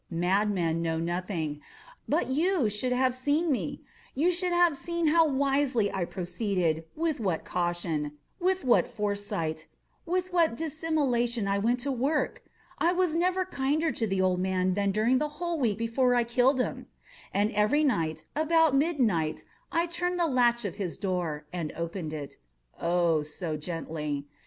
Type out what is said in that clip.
Madmen know nothing. But you should have seen me. You should have seen how wisely I proceeded—with what caution—with what foresight—with what dissimulation I went to work! I was never kinder to the old man than during the whole week before I killed him. And every night, about midnight, I turned the latch of his door and opened it—oh, so gently!